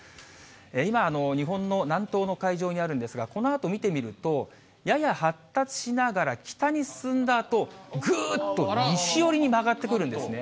今、日本の南東の海上にあるんですが、このあと見てみると、やや発達しながら北に進んだあと、ぐーっと西寄りに曲がってくるんですね。